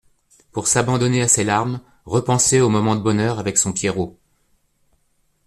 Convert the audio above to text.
pour s’abandonner à ses larmes, repenser aux moments de bonheur avec son Pierrot